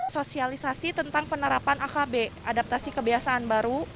sosialisasi tentang penerapan akb adaptasi kebiasaan baru